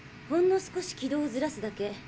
ほんの少し軌道をずらすだけ。